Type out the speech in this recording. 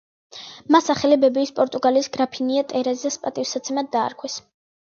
მას სახელი ბებიის, პორტუგალიის გრაფინია ტერეზას პატივსაცემად დაარქვეს.